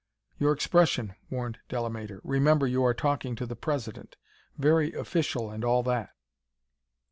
"Your expression!" warned Delamater. "Remember you are talking to the President. Very official and all that."